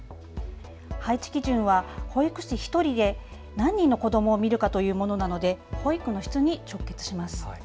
配置基準は保育士１人で何人の子どもを見るかというものなので保育の質に直結します。